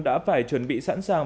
đã phải chuẩn bị sẵn sàng